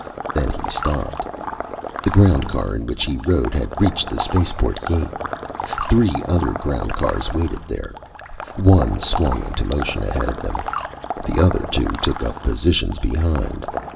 Then he stopped. The ground car in which he rode had reached the spaceport gate. Three other ground cars waited there. One swung into motion ahead of them. The other two took up positions behind.